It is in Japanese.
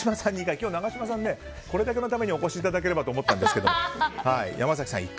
今日、永島さんこれだけのためにお越しいただければと思ったんですが。